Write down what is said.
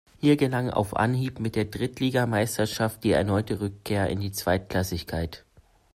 Hier gelang auf Anhieb mit der Drittligameisterschaft die erneute Rückkehr in die Zweitklassigkeit.